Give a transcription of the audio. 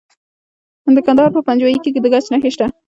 د کندهار په پنجوايي کې د ګچ نښې شته.